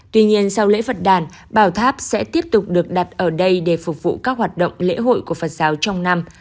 tuy nhiên sau lễ phật đàn bảo tháp sẽ tiếp tục được đặt ở đây để phục vụ các hoạt động lễ hội của phật giáo trong năm